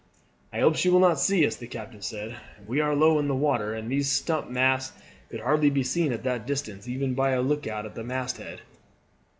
"I hope she will not see us," the captain said. "We are low in the water, and these stump masts could not be seen at that distance even by a look out at the mast head.